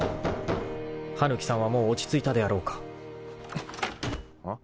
・［羽貫さんはもう落ち着いたであろうか］ん？